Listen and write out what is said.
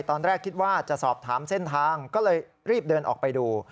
ตอนแรกคิดว่าจะสอบถามเส้นทางก็เลยรีบเดินออกไปดู